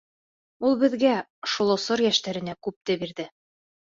Ул беҙгә, шул осор йәштәренә, күпте бирҙе.